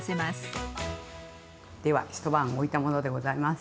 では一晩おいたものでございます。